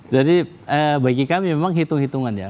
jadi bagi kami memang hitung hitungan ya